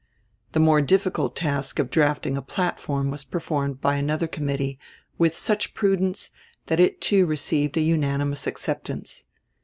The more difficult task of drafting a platform was performed by another committee, with such prudence that it too received a unanimous acceptance.